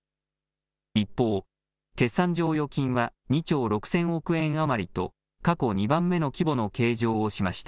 一方、決算剰余金は２兆６０００億円余りと、過去２番目の規模を計上しました。